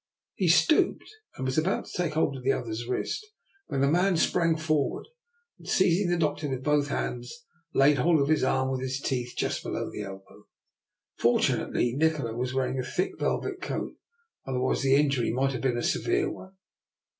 He stooped, and was about to take hold 290 DR. NIKOLA'S EXPERIMENT. of the Other's wrist, when the man sprang forward, and, seizing the doctor with both hands, laid hold of his arm with his teeth, just below the elbow. Fortunately, Nikola was wearing a thick velvet coat, otherwise the in jury might have been a severe one.